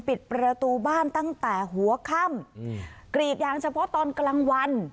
ปิดประตูบ้านตั้งแต่หัวค่ำกรีดยางเฉพาะตอนกลางวัน